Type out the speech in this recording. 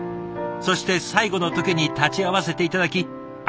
そして最後の時に立ち会わせて頂きありがとうございました。